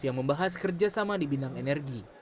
yang membahas kerjasama di bidang energi